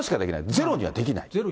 ゼロにはできない。